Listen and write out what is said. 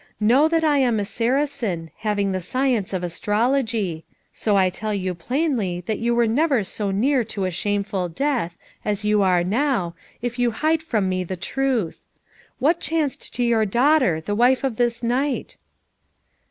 Know that I am a Saracen, having the science of astrology; so I tell you plainly that you were never so near to a shameful death, as you are now, if you hide from me the truth. What chanced to your daughter, the wife of this knight?"